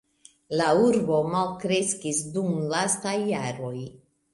La urbo malkreskis dum lastaj jaroj.